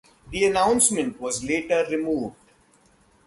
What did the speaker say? The announcement was later removed.